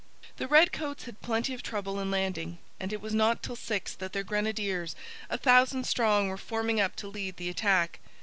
The redcoats had plenty of trouble in landing; and it was not till six that their grenadiers, a thousand strong, were forming up to lead the attack.